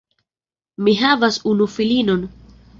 Mi havas unu filinon.